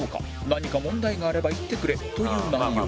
「何か問題があれば言ってくれ」という内容